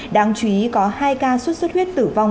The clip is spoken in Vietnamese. đáng chú ý có hai ca sốt sốt huyết tử vong